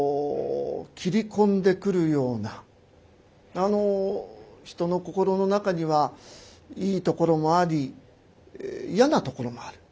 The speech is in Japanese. あの人の心の中にはいいところもあり嫌なところもある。